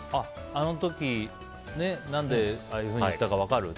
あの時、なんでああいうふうに言ったか分かる？